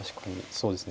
そうですね。